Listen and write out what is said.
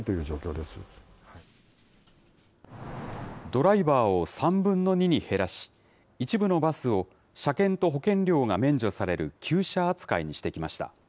ドライバーを３分の２に減らし、一部のバスを車検と保険料が免除される休車扱いにしてきました。